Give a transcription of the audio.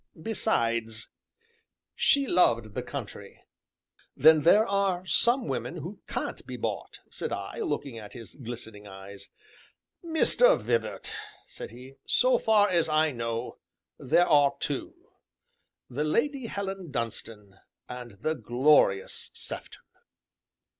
Besides She loved the country." "Then there are some women who can't be bought?" said I, looking at his glistening eyes. "Mr. Vibart," said he, "so far as I know, there are two the Lady Helen Dunstan and the 'Glorious' Sefton."